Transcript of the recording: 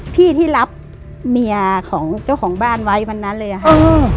พี่ที่รับเมียของเจ้าของบ้านไว้วันนั้นเลยค่ะ